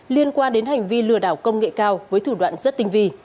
liên quan đến hành vi lừa đảo công nghệ cao với thủ đoạn rất tinh vi